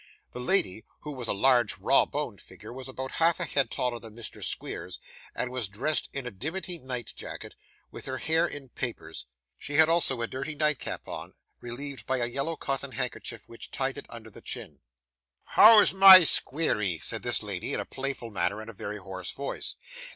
The lady, who was of a large raw boned figure, was about half a head taller than Mr. Squeers, and was dressed in a dimity night jacket; with her hair in papers; she had also a dirty nightcap on, relieved by a yellow cotton handkerchief which tied it under the chin. 'How is my Squeery?' said this lady in a playful manner, and a very hoarse voice.